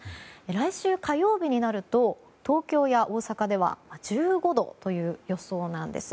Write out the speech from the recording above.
来週火曜日になると東京や大阪では１５度という予想なんです。